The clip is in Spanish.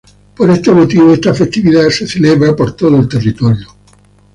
Por ese motivo, esta festividad es celebrada por todo el territorio.